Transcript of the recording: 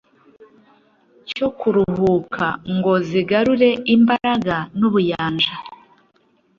cyo kuruhuka kugira ngo zigarure imbaraga n’ubuyanja.